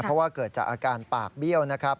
เพราะว่าเกิดจากอาการปากเบี้ยวนะครับ